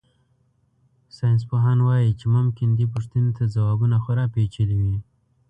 ساینسپوهان وایي چې ممکن دې پوښتنې ته ځوابونه خورا پېچلي وي.